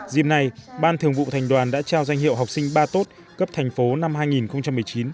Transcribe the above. dìm nay ban thường vụ thành đoàn đã trao danh hiệu học sinh ba tốt cấp thành phố năm hai nghìn một mươi chín